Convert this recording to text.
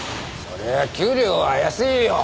そりゃ給料は安いよ。